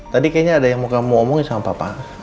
tadi kayaknya ada yang mau kamu omongin sama bapak